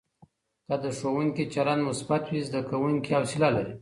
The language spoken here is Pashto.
که د ښوونکي چلند مثبت وي، زده کوونکي حوصله لري.